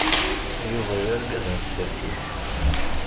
Yuba d argaz n tsertit.